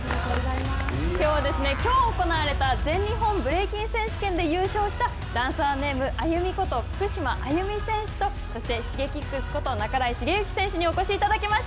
きょうは、きょう行われた全日本ブレイキン選手権で優勝したダンサーネームＡＹＵＭＩこと福島あゆみ選手とそしてＳｈｉｇｅｋｉｘこと半井重幸選手にお越しいただきました。